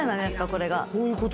これが。